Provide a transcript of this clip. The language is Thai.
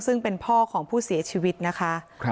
ซึ่งเป็นพ่อของผู้เสียชีวิตนะคะ